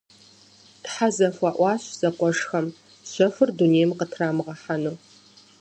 Тхьэ зэхуаӀуащ зэкъуэшхэм щэхур дунейм къытрамыгъэхьэну.